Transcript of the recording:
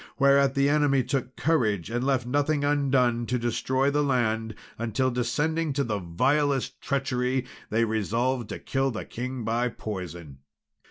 Whereat the enemy took courage, and left nothing undone to destroy the land; until, descending to the vilest treachery, they resolved to kill the king by poison.